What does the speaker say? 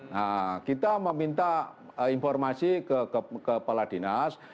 nah kita meminta informasi ke kepala dinas